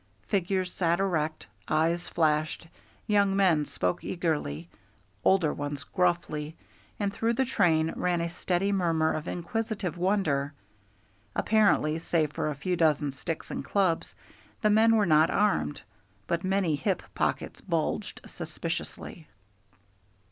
Figures sat erect, eyes flashed, young men spoke eagerly, older ones gruffly, and through the train ran a steady murmur of inquisitive wonder. Apparently, save for a few dozen sticks and clubs, the men were not armed, but many hip pockets bulged suspiciously.